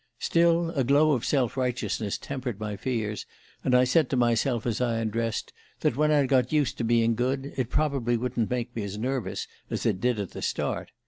Still, a glow of self righteousness tempered my fears, and I said to myself as I undressed that when I'd got used to being good it probably wouldn't make me as nervous as it did at the start.